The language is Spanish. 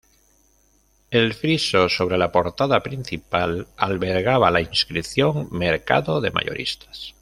El friso, sobre la portada principal, albergaba la inscripción: "Mercado de Mayoristas".